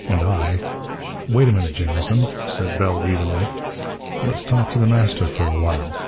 And I " "Wait a minute, Jamison," said Bell evenly. "Let's talk to The Master for a while.